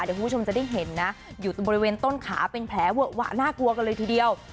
เดี๋ยวคุณผู้ชมจะได้เห็นนะอยู่ตรงบริเวณต้นขาเป็นแผลเวอะวะน่ากลัวกันเลยทีเดียว